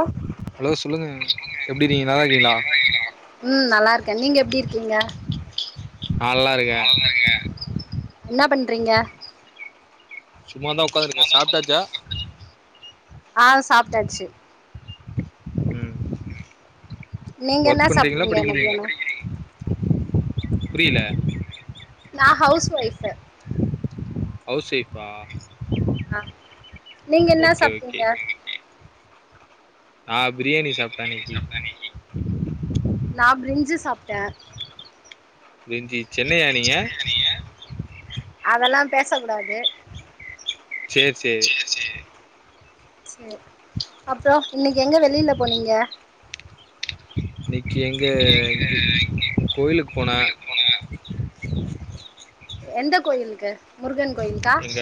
ஆ ம் ஹலோ சொல்லுங்க சொல்லுங்க எப்படி இருக்கீங்க நல்லா எப்டி இருக்கீங்களா இருக்கீங்க ம் நல்லா இருக்கேன் நீங்க எப்டி இருக்கீங்க நா நல்லா இருக்கே என்ன பண்றீங்க சும்மாதான் உட்காந்துருக்கேன் சாப்ட்டாச்சா ஆ சாப்ட்டாச்சு ம் நீங்க என்ன ஒர்க் சாப்ட்டீங்க பண்றீங்களா படிக்கிறீங் புரில நா ஹவுஸ் ஒய்ஃப் ஹவுஸ் ஒய்ஃப்பா நீங்க என்ன ஓகே சாப்ட்டீங்க நான் பிரியாணி சாப்ட்டேன் இன்னைக்கி இன்னிக்கி நான் பிரிஞ்சு சாப்ட்ட பிரிஞ்சி சென்னையா நீங்க அதெல்லாம் பேச கூடாது சேர் சேர் சேர் அப்பறோ இன்னைக்கு எங்க வெளியில போனீங்க இன்னனைக்கி எங்க இங்க கோயிலுக்கு போன எந்த கோயிலுக்கு முருகன் கோயிலுக்கா எங்க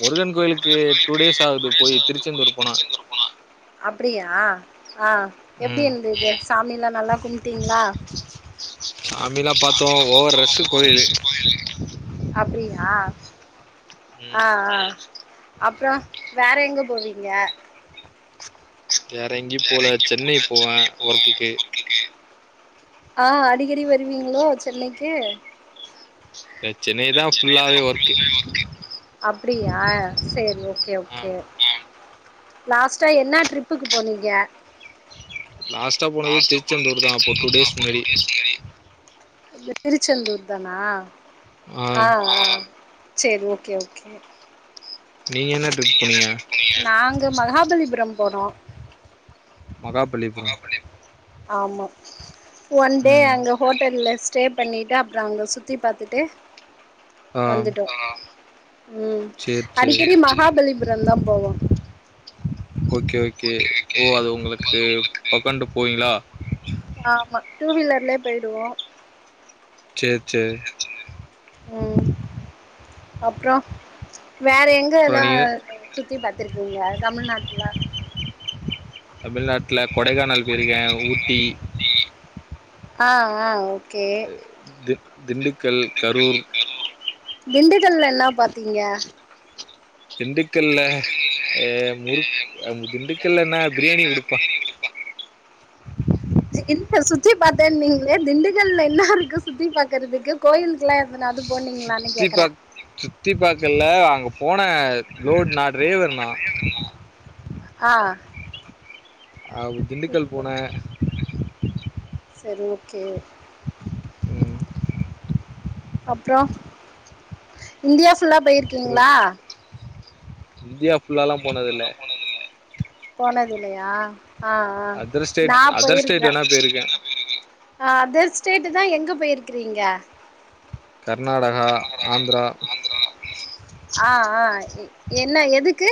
முருகன் கோயிலுக்கு டூ டேஸ் ஆகுது போய் திருச்செந்தூர் போ திருச்செந்தூர் போனா அப்டியா ஆ எப்டி ம் இருந்தது சாமி எல்லாம் நல்லா கும்ட்டீங்களா சாமிலாம் பாத்தோம் ஓவரு ரஸ் கோயிலு அப்டியா ஆ ம் ஆ அப்பறோ வேற எங்க போவீங்க வேற எங்கேயும் வேற போல எங்கயு சென்னை போவேன் போவே ஒர்க்குக்கு ஆ அடிக்கடி வருவீங்களோ சென்னைக்கு இங்க சென்னைதா ஃபுல்லாவே ஒர்க்கு அப்டியா சேர் ஓகே ஆ ஓகே லாஸ்ட்டா என்ன ட்ரிப்புக்கு போனீங்க லாஸ்ட்டா போனது லாஸ்ட்டா திருச்செந்தூர் தா அப்போ டூ டேஸ் முன்னாடி நீங்க திருச்செந்தூர் தானா ஆ ஆ சேர் ஓகே ஓகே நீங்க என்ன ட்ரிப் போனீங்க நாங்க மகாபலிபுரம் போனோம் மகாபலிபுரம் ஆமா ஒன் டே ம் அங்க ஹோட்டல்ல ஸ்டே பண்ணிட்டு அப்றோ அங்க சுத்தி பார்த்துட்டு ஆ வந்துட்டோ ம் சரி சரி அடிக்கடி மகாபலிபுரம் தா போவோ ஓகே ஓகே ஓ அது உங்களுக்கு பக்கண்டு போவீங்களா ஆமா டூவிலர்லே போய்டுவோ சேர் சேர் ம் அப்றோ வேற எங் அப்புறம் கெல்லா நீங்கள் சுத்தி பார்த்திருக்கீங்க தமிழ்நாட்டுல தமிழ்நாட்டுல கொடைக்கானல் போயிருக்கே ஊட்டி ஆ ஆ ஆ கே தி திண்டுக்கல் கரூர் கரூர் திண்டுக்கல்ல என்னா பாத்தீங்க திண்டுக்கல்லஏ முறுக் திண்டுக்கல் என்ன பிரியாணி குடுப்பாங் இல்ல சுத்தி பாத்தேன்னிங்ளே திண்டுக்கல்ல என்னா இருக்கு சுத்தி பாக்குறதுக்கு கோயில்க்குலா எதனாது போனீங்களான்னு சுத்தி கேக்குற பாக் சுத்தி பாக்க இல்ல அங்க போன லோட் நா டிரைவர் நா அ ஆ வு திண்டுக்கல் போன சரி ஓக்கே ம் அப்றோ இந்தியா ஃபுல்லா அப்புறம் போய்ருக்கீங்ளா இந்தியா ஃபுல்லாலா போனதுல்ல போனதுல்லயா அ அ அதர் ஸ்டேட் நா அதர் போயிருக்குற ஸ்டேட் வேணா போயிருக்கேன் அ அதர் ஸ்டேட்டு தா எங்க போய்ருக்குறீங்க கர்நாடகா ஆந்த்ரா அ அ என்ன எதுக்கு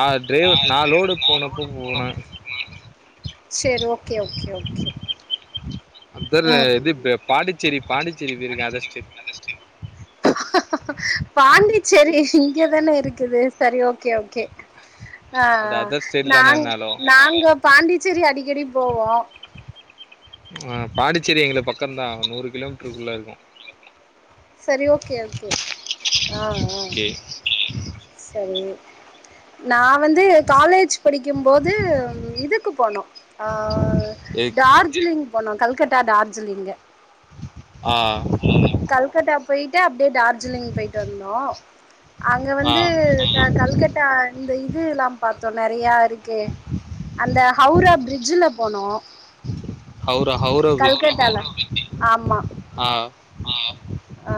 ஆ டிரைவர் நா லோடு போனப்ப போன சேரி ஓகே ஓகே ஓகே அதர் ம் இது பே பாண்டிச்சேரி பாண்டிச்சேரி பேய்ருக்க அதர் ஸ்டேட் பாண்டிச்சேரி இங்கதான இருக்குது சரி ஓகே ஓகே அ அது அ அதர் ஸ்டேட் நாங் தானேனாலும் நாங்க பாண்டிச்சேரி அடிக்கடி போவோ அ பாண்டிச்சேரி எங்ளுக் பக்கந்தா நூறு கிலோமீட்ருக்குள்ள இருக்கு சரி ஓகே ஓகே அ அ ஓகே சரி நா வந்து காலேஜ் படிக்கும்போது இதுக்கு போனோ ஆ டார்ஜிலிங் போனோ கல்கட்டா டார்ஜிலிங்க ஆ கல்கத்தா போயிட்டு அப்டியே டார்ஜிலிங் பெய்ட்டு வந்தோ அங்க ஆ வந்து ரத் கல்கட்டா இந்த இதுலா பாத்தோ நறைய அரி அந்த ஹவுரா பிரிட்ஜ்ல போனோ ஹவுரா ஹவுரா பிரிஜ்ஜி கல்கட்டால ஆமா ஆ ஆ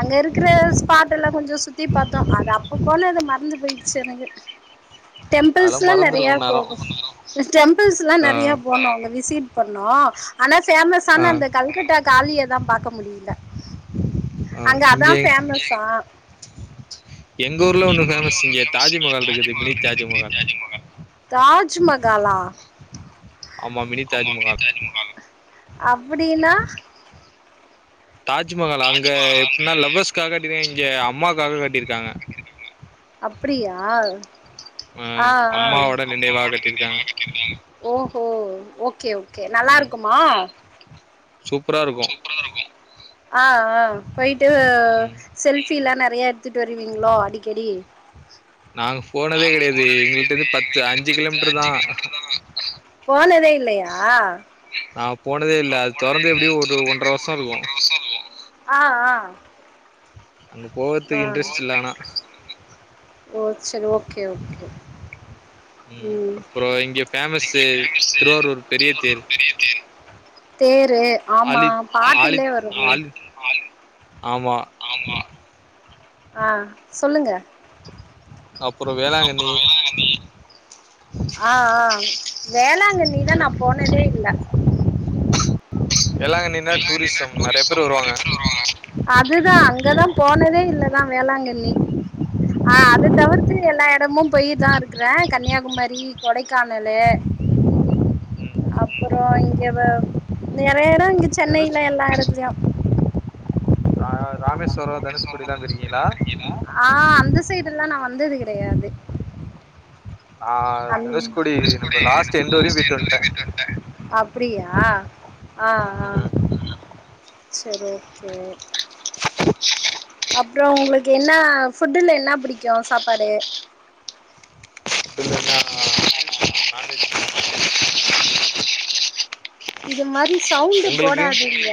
அங்க இருக்குற ஸ்பாட் எல்லா கொஞ்ச சுத்தி பாத்தோ அது போனது மறந்து பெய்ருச்சு எனக்கு அதெல்லாம் டம்பிள்ஸ்லா நெறையா மறந்துருக்கும் நேரம் போகு டெம்பிள்ஸ்லா ஆ நெறையா போனோ அங்க விசிட் பண்ணே ஆனா பேமஸ்ன ஆ அந்த கல்கட்டா காலிய தா பாக்க முடியில ஆ அங்க அதா இங்கே பேமஸ்சா எங்க ஒண்ணு எங் ஊர்ல ஃபேமஸ் ஒன்னு பேமஸ் இங்க தாஜ்மஹால் இருக்குது மினி தாஜிமகால் இருக்குது பெரிய தாஜ்மஹால் த்யாஜிமகா தாஜ்மகாலா ஆமா மினி தாஜ்மஹால் அப்புடினா தாஜ்மஹால் அங்க தாஜ்மஹால் அங்க எப்புன்னா லவ்ஸ்க்காக கட்டின இங்க அம்மாவுக்காக காட்டிருக்காங்க அப்டியா ஆ ஆ அம்மாவோட நினைவாக கட்டியிருக்காங்க ஓஹோ ஓகே ஓகே நல்லாருக்குமா சூப்பராருக்கு அ அ பொய்ட்டு ம் செல்ஃபிலா நெறையா எடுத்துட் வருவீங்ளோ அடிக்கடி நா அங் போனதே நாங்க கடையாது எங்குள்ட்டேந்து பத்து அஞ்சி போனது கிலோமீட்ருதா அஞ்சு கிலோமீட்டர் போனதே இல்லயா நா போனதே இல்லை அது தொறந்து எப்டியு ஒரு ஒன்ற வர்ஷ இருக்கு அ அ அங்க போவற்துக்கு இன்ட்ரஸ்ட் இல்ல ஆனா ஓ செரி ஓக்கே ஓகே ம் அப்றோ இங்க ஃபேமஸ்ஸு திருவாரூர் பெரிய தேர் தேரு ஆமா ஆழித் பாட்டிலே ஆழித் வரு ஆழி ஆமா அ சொல்லுங்க அப்புற வேளாங்கண்ணி அ அ வேளாங்கண்ணில நா போனதே இல்ல எள்ளாங்கண்ணி எள்ளாங்கண்ணினா டூரிஸம் நறைய பேரு வருவாங்க அதுதா அங்கதா போனதே இல்லதா வேளாங்கண்ணி அ அத தவிர்த்து எல்லா இடமு போயி தா இருக்குற கன்னியாகுமரி கொடைக்கானலு அப்புறோ இங்க வ நெறைய எட இங்க தனுஷ் சென்னையில எல்லா எடத்துலயு ராமேஸ்வரோ தனுஷ்கோடில்லா பேய்ருக்கீங்ளா ஆ அந்த சைடுல்லா நா வந்தது கிடையாது நா அந் தனுஷ்கோடி நம்ம அந்த வரையு லாஸ்ட் போயிட்டு எண்டு வரக்கு வந்ட்டே பெய்ட்டு வந்ட்ட அப்டியா அ அ செரி ஓகே அப்றோ உங்ளுக்கு என்னா ஃபுட்டுல என்னா புடிக்கு சாப்பாடு ஃபுட்லனா [inaudible] நான்வெஜ் [inaudible] இது மாரி சவுண்டு உங்களுக்கு போடாதங்க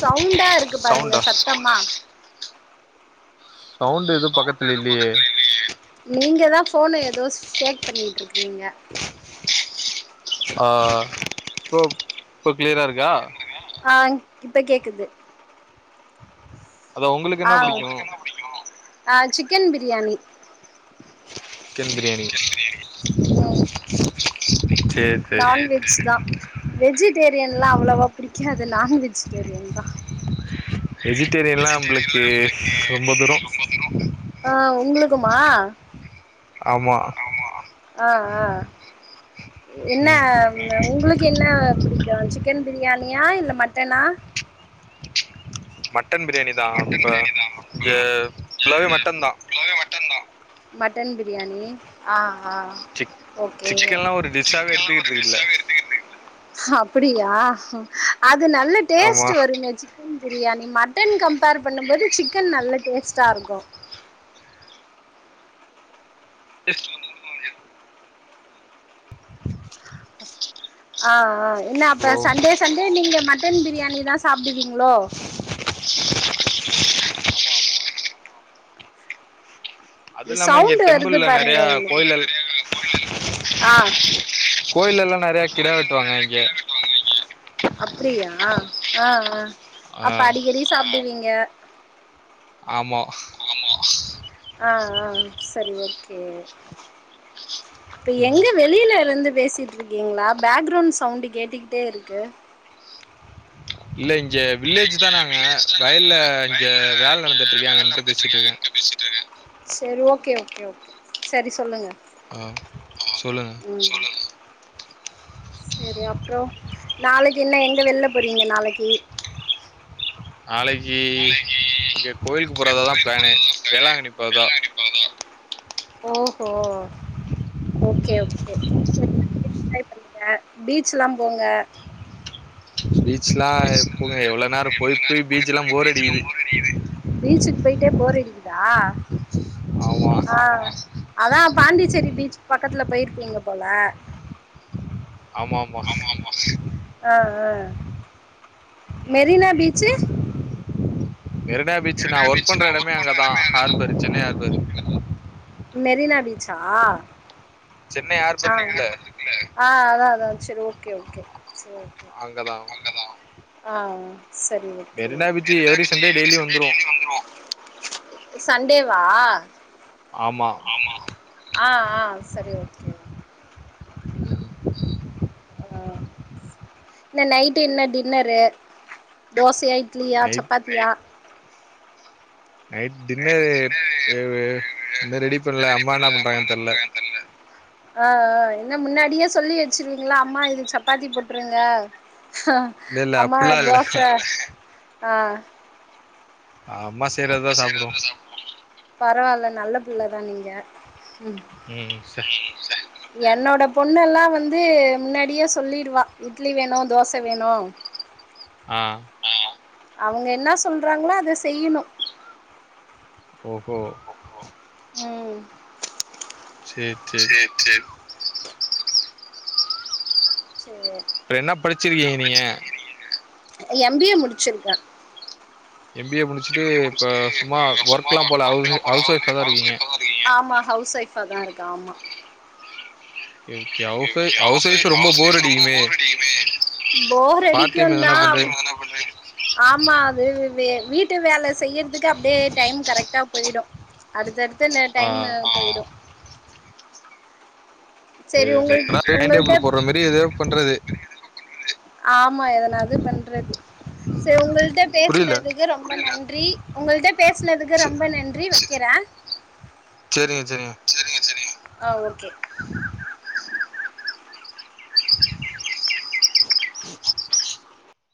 சவுண்டா இருக்கு பாருங்க சவுண்டா சத் தம்மா சவுண்ட் எது பக்கத்ல இல்லியே நீங்க தா ஃபோன எதோ ஷேக் பண்ணிட்ருக்றிங்க ஆ போ இப்போ க்ளியரா இருக்கா ஆ இப்ப கேக்குது அதா உங்களுக்கு ஆ என்ன புடிக்கு உங்களுக்கு என்ன புடிக்கு ஆ சிக்கன் பிரியாணி சிக்கன் பிரியாணி ம் சேரி சேரி நான்வெஜ் தா வெஜிடேரியன்ல்லா அவ்ளவா புடிக்காது நான் வெஜிடேரியன் தா வெஜிடேரியன்லா அம்ப்ளுக்கு ரொம்ப தூரோ அ உங்ளுக்குமா ஆமா அ அ என்ன ம் உங்ளுக் என்ன புடிக்கு சிக்கன் பிரியாணியா இல்ல மட்டனா மட்டன் மட்டன் பிரியாணி தா இப்ப பிரியாணி தா இங்க மேம். ஃபுல்லாவே மட்டன் தா ஃபுல்லாவே மட்டன்தா மட்டன் பிரியாணி அ அ சிக் ஓகே சிக் சிக்கன்லா ஒரு டிஷ்ஷாவே சிக்கன்லா ஒரு எடுத்துக்கிறது டிஷ் இல்ல ஆ வே எடுத்துக்கற்துக் இல்ல அப்புடியா அது நல்ல ஆமா டேஸ்ட்டு வருங்க chicken biryani mutton compare பண்ணும்போது சிக்கன் நல்ல டேஸ்ட் சாருக்கு [unintelligible] ஆ ஆ என்னா அப்ப ஹலோ சண்டேஸ் சண்டே நீங்க மட்டன் பிரியாணி தான் சாப்டுவீங்ளோ உமாமா அத் இது இல்லாம இங்க சவுண்ட் வருது டெம்பிள்ல பாருங்க நெறையா கோயில்லல் ஆ கோயிலல்லா நறையா கிடா வெட்டுவாங்க இங்கே அப்டியா ஆ ஆ ஆ அப் அடிக்கடி சாப்டுவீங்க ஆமா ஆ ஆ சரி ஓக் கே ப்பு ம் எங்கு வேக் வெளிலருந்து பேசிட்ருக்கீங்ளா பேக்ரோண் சவ்ண்டு கேட்டுக்கிட்டே இருக்கு இல்ல இங்கேவ் இல்ல வில்லேஜ்ஜு தா இங்க நாங்க வில்லேஜ் தான் நாங்க, வயல்ல இங்க வேல் நடந்துட்ருக்கு யாங்கன்ட்டு பேசிட்ருக்கே பேசிட்ருக்கே சரி ஓகே ஓகே ஓகே சரி சொல்லுங்க ஆம் சொல்லுங்க சொல்லுங்க சேரி அப்றோ நாளைக்கு என்ன எங்க வெள்ல போறீங்க நாளைக்கி நாளைக்கி நாளைக்கு இங்க கோயில்க்கு போறதா தா ப்ளேனே போறதுதான் பிளானு வேளாங்கண்ணி போற்தா வேளாங்கண்ணி ஓஹோ ஓகே ம் ஓகே செர் ட்ரை பண்ணுங்க பீச்சுல்லா போங்க பீச்லா எப் போங்க எவ்ளோ நேரூ போய் பெய் பீச்சுலாம் போர் அடிக்குது பீச்சுக் போய்ட்டே போர் அடிக்கிதா ஆமா ஆ அதா பாண்டிச்சேரி ம் பீச் பக்கத்துல போய்ர்ப்பீங்க போல ஆமா ஆமா அ அ ம் மெரினா பீச்சு மெரினா பீச்சுனா ஒர்க் பண்ற எடமே அங்கதா எல்லாமே அங்கதான் ஹார்பர் சென்னை ஹார்பர் மெரினா பீச்சா சென்னை ஆ ஹார்பர் இருக்குல்ல ஆ அதா அதா ச்சர் ஓகே ஓகே சேர் அங்கதாம் ஆ சரி okay Marina beach every Sunday daily வந்துருவோ சன்டேவா ஆமா ஆ ஆ சரி ஓகே அ இன்ன நைட்டு என்ன டின்னரு தோசையா இட்லியா நைட் சப்பாத்தியா நைட் டின்னரு ஏவ்ஏ இன்னு ரெடி பண்ல அம்மா என்னாப் பண்றாங்கன் தெர்ல ஆஆ என்ன முன்னாடியே சொல்லி வச்சிருவீங்ளா அம்மா இது சப்பாத்தி பட்ருங்க ஹா இல்ல இல்ல அம்மா அப்பில்லா இல்ல தோச ஆ ஆ அம்மா செய்றதா சாப்புடு பரவால்ல நல்ல பிள்ளதா நீங்க உம் ம்ம் ச என்னோட பொண்ணெல்லா வந்து முன்னாடியே சொல்லிடுவா இட்லி வேணு தோச வேணு ஆ அவுங்க என்ன சொல்றாங்னா அத செய்யுணு ஓஹோ உம் சேரி சேரி சேர் சேர் சேர் அப்பற என்னா படிச்சிருக்கீங்க நீங்க எம் பி ஏ முடிச்சிர்க்க எம் பி‌ ஏ முடிச்சுட்டு இப்ப சும்மா நீங்க ஒர்க்ல்லா போல ஹவுஸ்ஒய்ஃப் ஹவுஸ் ஒய்ஃவ்வாதா இருக்கீங்க ஆம்மா ஹவுஸ்ஒய்ஃப்வாதா இருக்க ஆம்மா okay okay okay house okay house wife housewife ரொம்ப போர் ஹவுஸ்ஒய்ஃப்வ் ரொம்ப அடிக்குமே போர் அடிக்கமே பார்ட் டைம் க்குந்தா எதனா பண்ற ஆம்மா அது வீட்டு வேல செய்யற்துக்கு அப்டே டைம் கரெக்டா பொய்டு அடுத்தடுத்து இந்த ஆ டைம் பொய்டு சரி சேர் சேர் ஆனா உங்களுக்கு டைம் உங்கள்கிட்ட டேபிள்ளு போட்ற மேறி ஏதெ பண்றது ஆம்மா எதனாதுபண்றது சேர் உங்கள்ட்ட புரியல பேசனதுக்கு ரொம்ப நன்றி உங்கள்ட்ட பேசனதுக்கு செ ரொம்ப நன்றி வக்கிறே ஆ சேரிங்க செரிங்க சரிங்க ஆ ஓக்கே